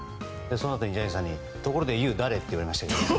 そのあとジャニーさんにところでユー、誰？って言われました。